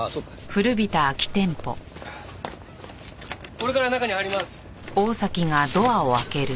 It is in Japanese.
これから中に入ります。